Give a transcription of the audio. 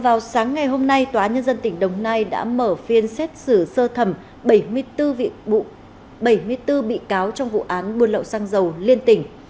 tráng ngày hôm nay tòa án nhân dân tỉnh đồng nai đã mở phiên xét xử sơ thẩm bảy mươi bốn bị cáo trong vụ án buôn lậu xăng dầu liên tỉnh